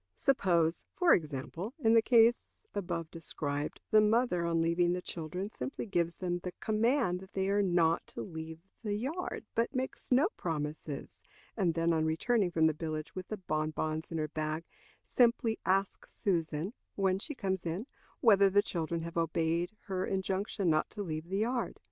Suppose, for example, in the case above described, the mother, on leaving the children, simply gives them the command that they are not to leave the yard, but makes no promises, and then, on returning from the village with the bonbons in her bag, simply asks Susan, when she comes in, whether the children have obeyed her injunction not to leave the yard.